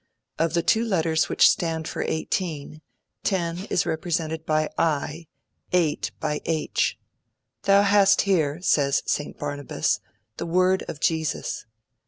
Of the two letters which stand for 18, 10 is represented by 1, 8 by H. 'Thou hast here,' says St. Barnabas, 'the word of Jesus.'